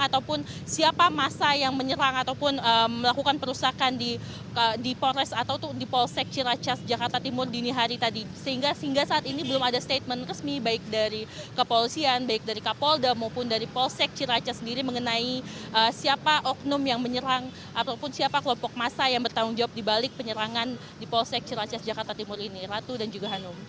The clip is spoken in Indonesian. ataupun siapa massa yang menyerang ataupun melakukan perusakan di di polres atau di polsek siraca jakarta timur dini hari tadi sehingga sehingga saat ini belum ada statement resmi baik dari kepolisian baik dari kapolda maupun dari polsek siraca sendiri mengenai siapa oknum yang menyerang ataupun siapa kelompok massa yang bertanggung jawab dibalik penyerangan di polsek siraca jakarta timur ini ratu dan juga hanum